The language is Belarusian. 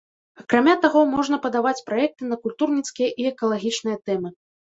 Акрамя таго, можна падаваць праекты на культурніцкія і экалагічныя тэмы.